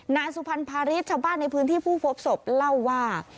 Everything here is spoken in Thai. นายสุพรรณภาริสชาวบ้านในพื้นที่ผู้พบศพเล่าว่า